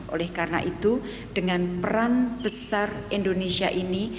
oleh karena itu dengan peran besar indonesia ini